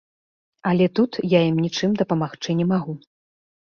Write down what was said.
Але тут я ім нічым дапамагчы не магу.